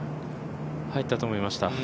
入ったと思いました。